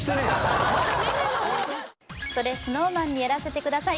「それＳｎｏｗＭａｎにやらせて下さい」